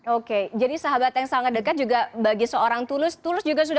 oke jadi sahabat yang sangat dekat juga bagi seorang tulus